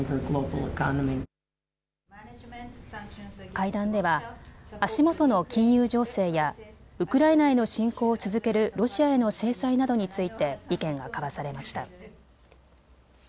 会談では足元の金融情勢やウクライナへの侵攻を続けるロシアへの制裁などについて意見が交わされました。